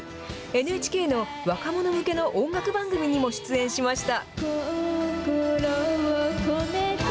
ＮＨＫの若者向けの音楽番組にも出演しました。